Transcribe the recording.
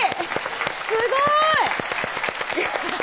すごい！